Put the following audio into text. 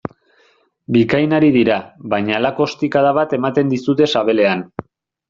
Bikain ari dira, baina halako ostikada bat ematen dizute sabelean...